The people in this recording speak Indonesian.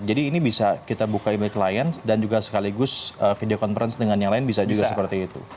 jadi ini bisa kita buka email klien dan juga sekaligus video conference dengan yang lain bisa juga seperti itu